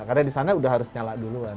karena di sana udah harus nyala duluan